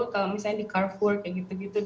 kalau misalnya di carrefour kayak gitu gitu